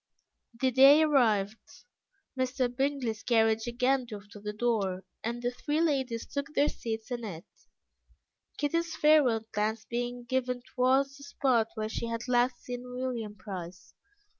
The day arrived, Mr. Bingley's carriage again drove to the door, and the three ladies took their seats in it, Kitty's farewell glance being given towards the spot where she had last seen William Price.